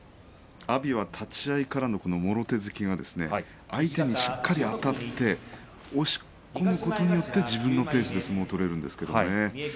阿炎は立ち合いからのもろ手突きが相手にしっかりあたって押し込むことによって自分のペースで相撲を取れるんですけどね。